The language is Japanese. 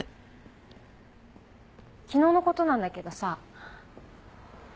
昨日の事なんだけどさあ